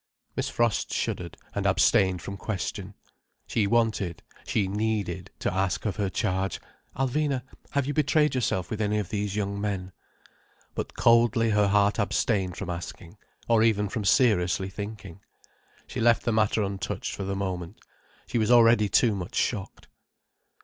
Miss Frost shuddered, and abstained from question. She wanted, she needed to ask of her charge: "Alvina, have you betrayed yourself with any of these young men?" But coldly her heart abstained from asking—or even from seriously thinking. She left the matter untouched for the moment. She was already too much shocked.